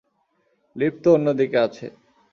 Lift তো অন্যদিকে আছে।